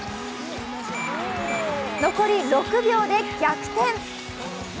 残り６秒で逆転！